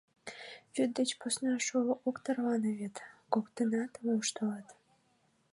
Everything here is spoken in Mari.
Вӱд деч посна шоло ок тарване вет, — коктынат воштылыт.